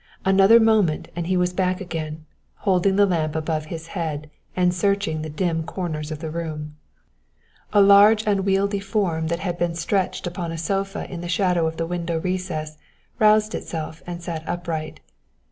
Another moment and he was back again, holding the lamp above his head and searching the dim corners of the room. A large unwieldy form that had been stretched upon a sofa in the shadow of the window recess roused itself and sat upright.